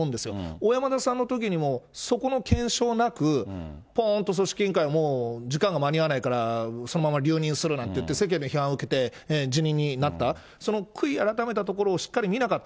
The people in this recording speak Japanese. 小山田さんのときにもそこの検証なく、ぽーんと組織委員会、もう時間が間に合わないから、そのまま留任するなんていって、世間の批判を受けて辞任になった、その悔い改めたところをしっかり見なかった。